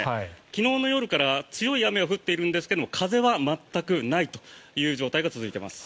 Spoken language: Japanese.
昨日の夜から強い雨は降っているんですが風は全くないという状態が続いています。